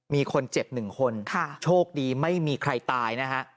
มีคนเจ็บ๑คนโชคดีไม่มีใครตายนะฮะ